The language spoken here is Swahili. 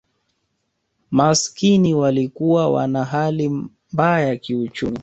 Maskini walikuwa wana hali mabaya kiuchumi